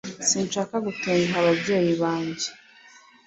Sinshaka gutenguha ababyeyi banjye.